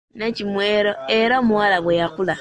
Nnakimwero era omuwala bwe yakula.